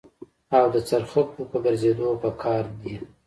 او د څرخکو په ګرځېدو په قار دي.